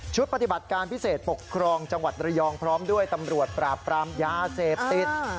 ปฏิบัติการพิเศษปกครองจังหวัดระยองพร้อมด้วยตำรวจปราบปรามยาเสพติด